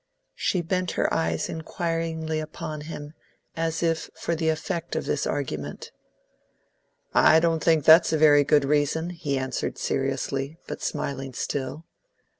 She bent her eyes inquiringly upon him, as if for the effect of this argument. "I don't think that's a very good reason," he answered seriously, but smiling still.